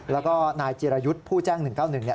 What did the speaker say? แล้วก็นายจิรยุทธ์ผู้แจ้ง๑๙๑